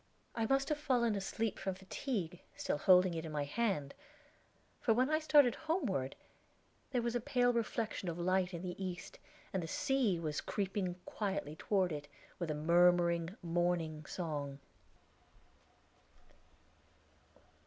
I must have fallen asleep from fatigue, still holding it in my hand; for when I started homeward, there was a pale reflection of light in the east, and the sea was creeping quietly toward it with a murmuring morning song.